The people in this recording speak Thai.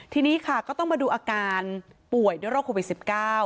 ทีนี้ค่ะก็ต้องมาดูอาการป่วยด้วยโรคโควิด๑๙